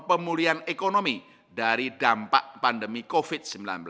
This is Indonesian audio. pemulihan ekonomi dari dampak pandemi covid sembilan belas